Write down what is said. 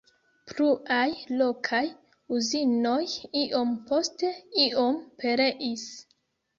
Pluaj lokaj uzinoj iom post iom pereis.